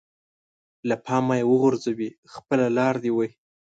له پامه يې وغورځوي خپله لاره دې وهي.